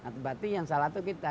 berarti yang salah itu kita